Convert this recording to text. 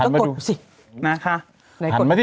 ก็กดอยู่สิ่งนะคะ